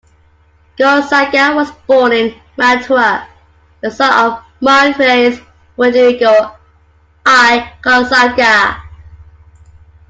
Gonzaga was born in Mantua, the son of Marquess Federico I Gonzaga.